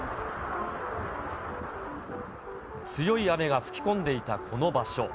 強い雨が吹き込んでいたこの場所。